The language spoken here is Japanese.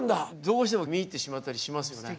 どうしても見入ってしまったりしますよね。